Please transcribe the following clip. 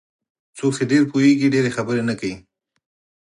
څوک چې ډېر پوهېږي ډېرې خبرې نه کوي.